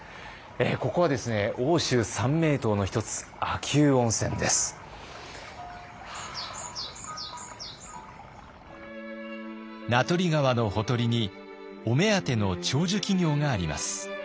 ここはですね名取川のほとりにお目当ての長寿企業があります。